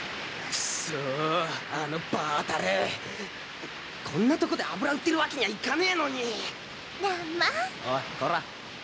くっそーあのバータレんこんなとこで油売ってる訳にはいかねえのに乱馬おいこら！